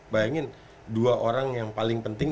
bayangin dua orang yang paling penting